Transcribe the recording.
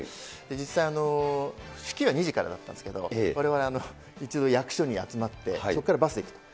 実際、式は２時からだったんですけど、われわれ一度役所に集まって、そこからバスで行くと。